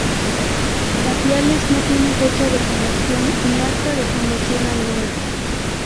Tapiales no tiene fecha de fundación ni acta de fundación alguna.